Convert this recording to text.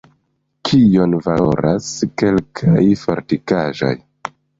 “Kion valoras kelkaj fortikaĵoj!